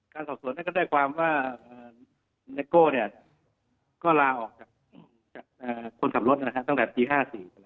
การสอบสนุกก็ได้ความว่านายโก้ก็ลาออกกับคนทำรถตั้งแต่ปี๕๔